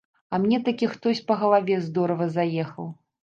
А мне такі хтось па галаве здорава заехаў.